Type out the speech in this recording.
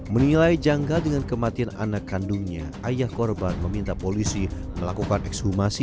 menilai jangka dengan kematian anak kandungnya ayah korban meminta polisi melakukan ekshumasi